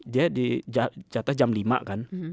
dia di jatah jam lima kan